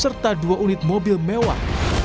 serta dua unit mobil mewah